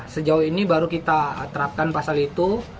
sejauh ini baru kita terapkan pasal itu